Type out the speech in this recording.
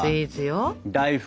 大福？